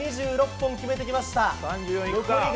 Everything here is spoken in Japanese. ２６本決めてきました。